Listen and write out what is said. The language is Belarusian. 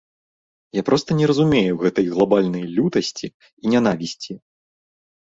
Я проста не разумею гэтай глабальнай лютасці і нянавісці.